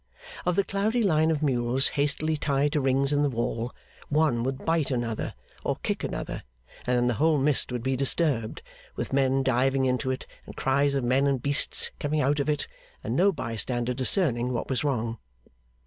Of the cloudy line of mules hastily tied to rings in the wall, one would bite another, or kick another, and then the whole mist would be disturbed: with men diving into it, and cries of men and beasts coming out of it, and no bystander discerning what was wrong.